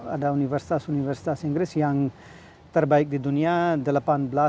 ada universitas universitas inggris yang terbaik di dunia